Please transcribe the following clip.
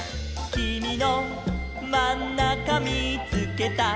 「きみのまんなかみーつけた」